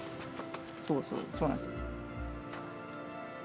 そうそうそうなんですよ。